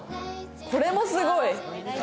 これもすごい。